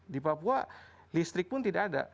di papua listrik pun tidak ada